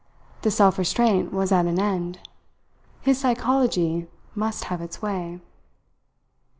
The self restraint was at an end: his psychology must have its way.